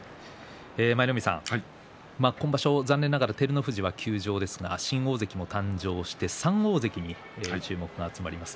舞の海さん、今場所は残念ながら照ノ富士は休場ですが新大関も誕生して３大関に注目が集まります。